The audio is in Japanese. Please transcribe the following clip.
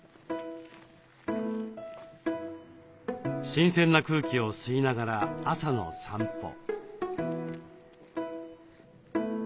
新鮮な空気を吸いながら朝の散歩。